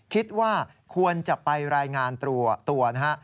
คิดว่าควรจะไปรายงานตัวนะฮะ